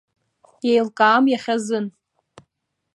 Еилкаам иахьазын.